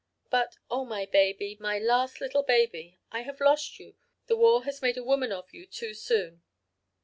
But oh, my baby my last little baby I have lost you the war has made a woman of you too soon.'